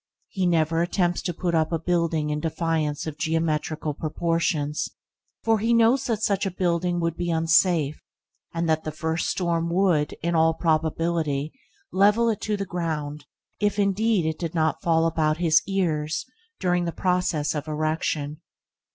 He never attempts to put up a building in defiance of geometrical proportions, for he knows that such a building would be unsafe, and that the first storm would, in all probability, level it to the ground, if, indeed, it did not fall about his ears during the process of erection.